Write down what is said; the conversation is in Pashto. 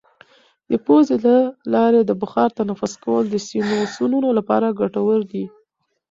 د پوزې له لارې د بخار تنفس کول د سینوسونو لپاره ګټور دي.